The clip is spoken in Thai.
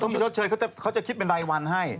ต้องมีชดเชยอยู่แล้วเขาจะคิดเป็นรายวันให้